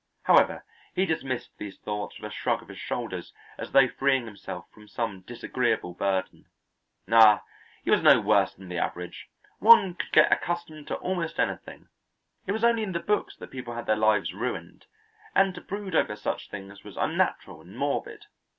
However, he dismissed these thoughts with a shrug of his shoulders as though freeing himself from some disagreeable burden. Ah, he was no worse than the average; one could get accustomed to almost anything; it was only in the books that people had their lives ruined; and to brood over such things was unnatural and morbid.